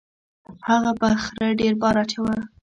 هغه په خره ډیر بار اچاوه.